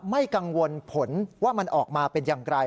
ไม่กังวลผลว่ามันออกมาเป็นอย่างไร